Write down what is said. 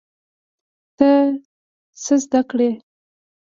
ته څه زده کړې؟